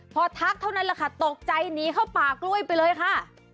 พอทักเท่านั้นแหละค่ะตกใจหนีเข้าป่ากล้วยไปเลยค่ะ